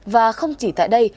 và không chỉ tại đây